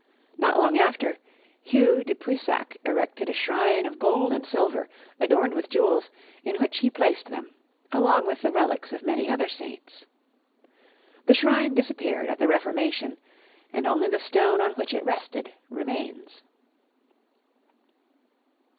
Not long after, Hugh de Puisac erected a shrine of gold and silver, adorned with jewels, in which he placed them, along with the relics of many other saints. The shrine disappeared at the Reformation, and only the stone on which it rested remains.